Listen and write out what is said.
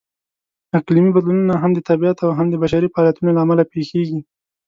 اقلیمي بدلونونه هم د طبیعت او هم د بشري فعالیتونو لهامله پېښېږي.